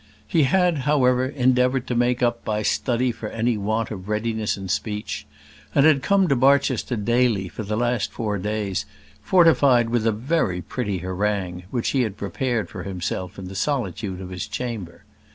He had, however, endeavoured to make up by study for any want of readiness of speech, and had come to Barchester daily, for the last four days, fortified with a very pretty harangue, which he had prepared for himself in the solitude of his chamber.